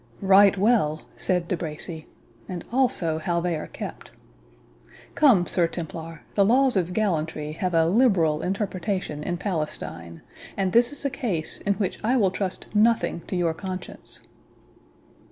"Right well," said De Bracy, "and also how they are kept. Come, Sir Templar, the laws of gallantry have a liberal interpretation in Palestine, and this is a case in which I will trust nothing to your conscience."